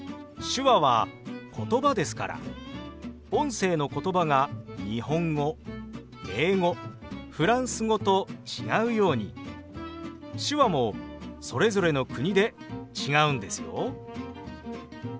手話は言葉ですから音声の言葉が日本語英語フランス語と違うように手話もそれぞれの国で違うんですよ。